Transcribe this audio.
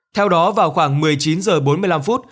theo đó vào khoảng một mươi chín h bốn mươi năm